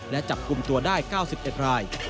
และจับกลุ่มตัวได้๙๑ราย